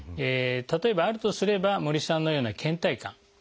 例えばあるとすれば森さんのようなけん怠感。